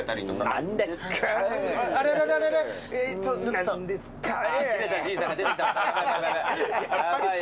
「何ですかぁ」